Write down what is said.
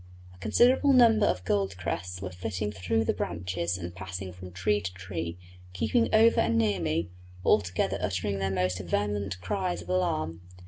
A considerable number of gold crests were flitting through the branches and passing from tree to tree, keeping over and near me, all together uttering their most vehement cries of alarm.